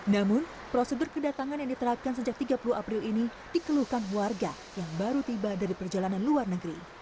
namun prosedur kedatangan yang diterapkan sejak tiga puluh april ini dikeluhkan warga yang baru tiba dari perjalanan luar negeri